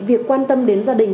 việc quan tâm đến gia đình